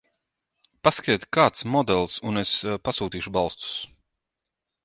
Pasakiet kāds modelis un es pasūtīšu balstus.